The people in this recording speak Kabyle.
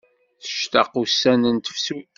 Tectaq ussan n tefsut.